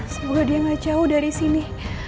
semoga dia gak jauh dari sini